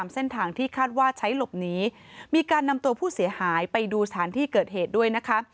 เส้นทางที่คาดว่าใช้หลบหนีมีการนำตัวผู้เสียหายไปดูสถานที่เกิดเหตุด้วยนะคะ